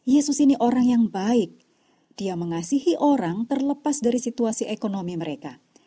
yesus ini orang yang baik dia mengasihi orang terlepas dari situasi ekonomi mereka